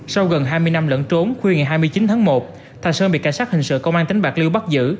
sau gần hai mươi năm lẫn trốn khuya ngày hai mươi chín tháng một thà sơn bị cảnh sát hình sự công an tỉnh bạc liêu bắt giữ